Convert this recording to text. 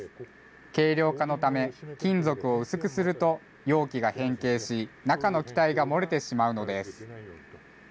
軽量化のため、金属を薄くすると容器が変形し、中の気体が漏れてしまうのです。